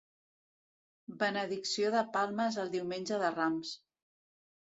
Benedicció de palmes el Diumenge de Rams.